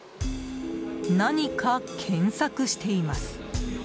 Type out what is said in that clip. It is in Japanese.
何か検索しています。